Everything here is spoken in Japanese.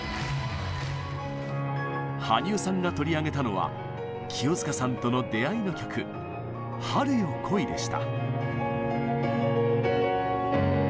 羽生さんが取り上げたのは清塚さんとの出会いの曲「春よ、来い」でした。